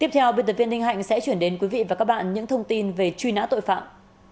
tiếp theo biên tập viên ninh hạnh sẽ chuyển đến quý vị và các bạn những thông tin về truy nã tội phạm